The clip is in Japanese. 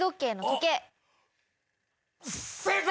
正解！